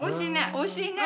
おいしいね。